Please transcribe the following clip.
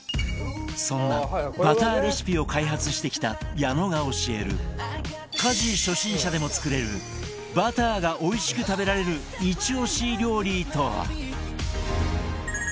そんなバターレシピを開発してきた矢野が教える家事初心者でも作れるバターがおいしく食べられるイチ押し料理とは？